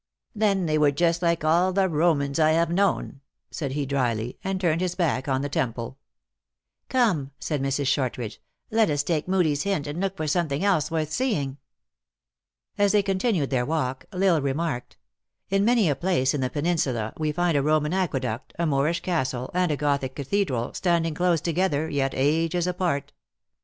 "Then they were just like all the Romans I have known," said he dryly, and turned his back on the temple. " Come," said Mrs. Shortridge, " let us take Mood ie s hint, and look for something else worth seeing." As they continued their walk, L Isle remarked, "In many a place in the peninsula we find a Roman aqueduct, a Moorish castle, and a Gothic cathedral standing close together, yet ages apart.